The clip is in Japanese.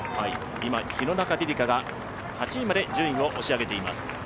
今、廣中璃梨佳が８位まで順位を押し上げています。